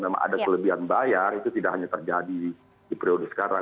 memang ada kelebihan bayar itu tidak hanya terjadi di periode sekarang